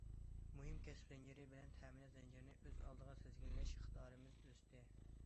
مۇھىم كەسىپ زەنجىرى بىلەن تەمىنات زەنجىرىنى ئۆز ئالدىغا تىزگىنلەش ئىقتىدارىمىز ئۆستى.